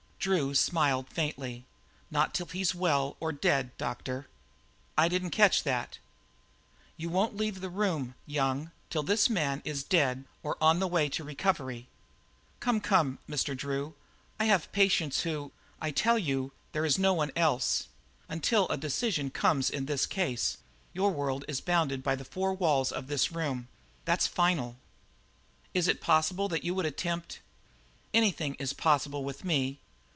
Drew smiled faintly. "Not till he's well or dead, doctor." "I didn't quite catch that." "You won't leave the room, Young, till this man is dead or on the way to recovery." "Come, come, Mr. Drew, I have patients who "I tell you, there is no one else. Until a decision comes in this case your world is bounded by the four walls of this room. That's final." "Is it possible that you would attempt " "Anything is possible with me.